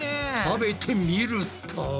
食べてみると。